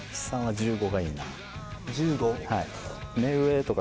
１５。